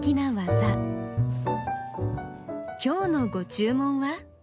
今日のご注文は？